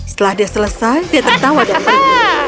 setelah dia selesai dia tertawa dan pergi